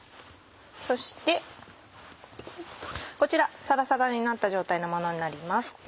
そしてこちらサラサラになった状態のものになります。